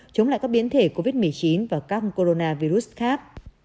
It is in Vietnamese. chống lại các biến thể covid một mươi chín và các coronavirus khác